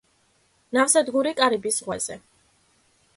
ნავსადგური კარიბის ზღვაზე.